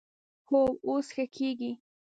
هو، اوس ښه کیږي